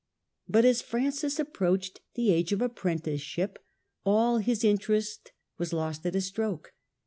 But as Francis approached the age of apprenticeship all his interest was lost at a stroke.